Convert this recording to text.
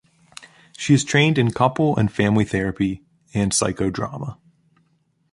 She is trained in couple and family therapy and psychodrama.